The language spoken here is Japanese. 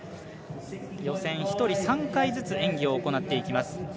予選１人３回ずつ演技を行っていきます。